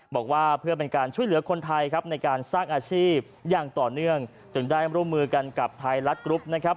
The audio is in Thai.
บอกว่าเพื่อเป็นการช่วยเหลือคนไทยครับในการสร้างอาชีพอย่างต่อเนื่องจึงได้ร่วมมือกันกับไทยรัฐกรุ๊ปนะครับ